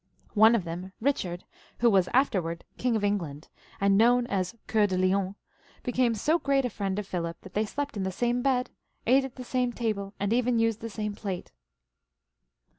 One of them, Kichard, who was afterwards King of England, and known as Coeur de Lion, became so great a friend of Philip that they slept in the same bed, ate at the same table, and even used the same plate.